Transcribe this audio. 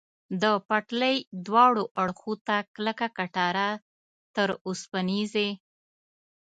د پټلۍ دواړو اړخو ته کلکه کټاره، تر اوسپنیزې.